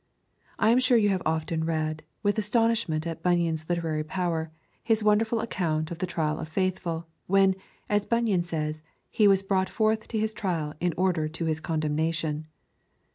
I am sure you have often read, with astonishment at Bunyan's literary power, his wonderful account of the trial of Faithful, when, as Bunyan says, he was brought forth to his trial in order to his condemnation.